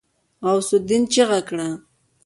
غوث االدين چيغه کړه.